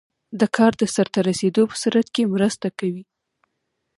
د کار د سرته رسیدو په سرعت کې مرسته کوي.